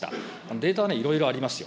データはいろいろありますよ。